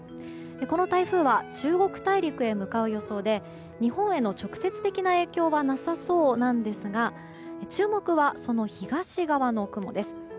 この台風は中国大陸へ向かう予想で日本への直接的な影響はなさそうなんですが注目は、その東側の雲です。